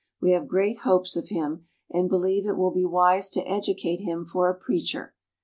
We have great hopes of him, and believe it will be wise to educate him for a preacher."